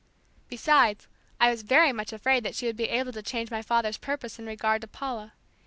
Besides, I was very much afraid that she would be able to change my father's purpose in regard to Paula.